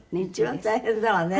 一番大変だわね